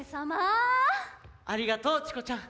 ありがとうチコちゃん。